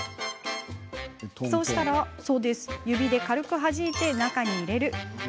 そうしたら指で軽くはじいて中に入れる。